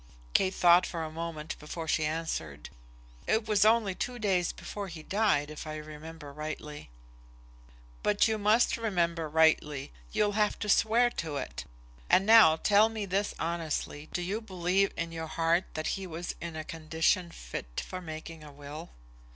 Kate thought for a moment before she answered. "It was only two days before he died, if I remember rightly." "But you must remember rightly. You'll have to swear to it. And now tell me this honestly; do you believe, in your heart, that he was in a condition fit for making a will?"